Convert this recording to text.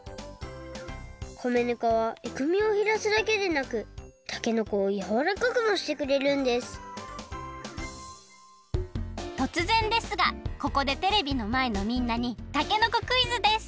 米ぬかはえぐみをへらすだけでなくたけのこをやわらかくもしてくれるんですとつぜんですがここでテレビのまえのみんなにたけのこクイズです！